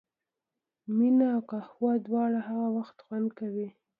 مینه او قهوه دواړه هغه وخت خوند کوي.